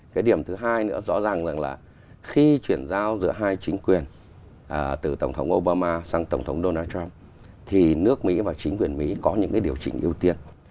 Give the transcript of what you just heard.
cái điểm thứ hai nữa rõ ràng rằng là khi chuyển giao giữa hai chính quyền từ tổng thống obama sang tổng thống donald trump thì nước mỹ và chính quyền mỹ có những cái điều chỉnh ưu tiên